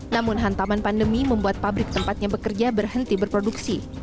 namun hantaman pandemi membuat pabrik tempatnya bekerja berhenti berproduksi